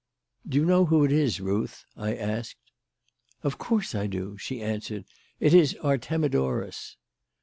"Do you know who it is, Ruth?" I asked. "Of course I do," she answered. "It is Artemidorus."